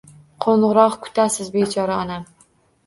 Qungiroq kutasiz bechora onam